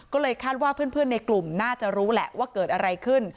ก็เลยคาดว่าเพื่อนในกลุ่มน่าจะรู้แหละว่าเกิดอะไรขึ้น